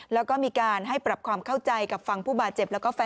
แล้วก็มีการให้ปรับความเข้าใจกับฝั่งผู้บาดเจ็บแล้วก็แฟน